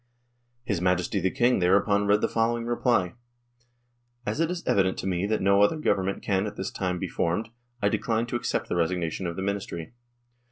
His Majesty the King thereupon read the following reply :" As it is evident to me that no other Government can at this time be formed, I decline to accept the resignation of the Ministry."